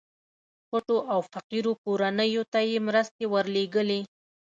پټو او فقيرو کورنيو ته يې مرستې ورلېږلې.